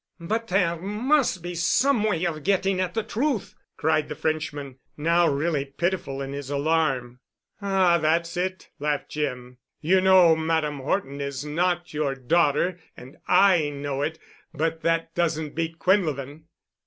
"But there must be some way of getting at the truth," cried the Frenchman, now really pitiful in his alarm. "Ah, that's it," laughed Jim. "You know Madame Horton is not your daughter and I know it, but that doesn't beat Quinlevin."